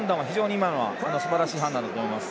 今のはすばらしい判断だと思います。